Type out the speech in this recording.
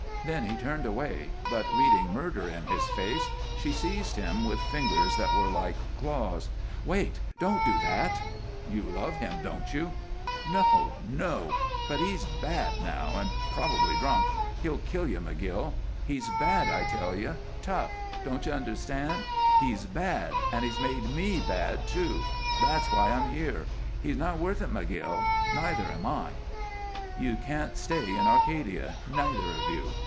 Then he turned away, but, reading murder in his face, she seized him with fingers that were like claws. "Wait! Don't do that!" "You love him, don't you?" "No, no! But he's bad now, and and probably drunk. He'll kill you, McGill. He's bad, I tell you tough don't you understand? He's bad, and he's made me bad, too, that's why I'm here. He's not worth it, McGill; neither am I!" "You can't stay in Arcadia, neither of you.